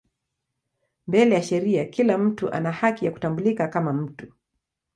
Mbele ya sheria kila mtu ana haki ya kutambulika kama mtu.